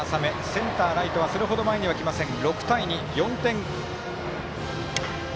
センター、ライトはそれほど前には来ません。